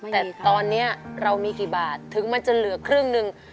แต่ตอนนี้เรามีกี่บาทถึงมันจะเหลือครึ่งหนึ่ง